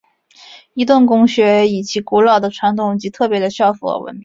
伊顿公学以其古老的传统和特别的校服而闻名。